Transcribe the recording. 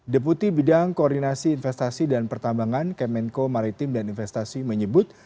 deputi bidang koordinasi investasi dan pertambangan kemenko maritim dan investasi menyebut